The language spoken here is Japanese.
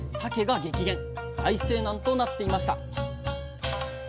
財政難となっていました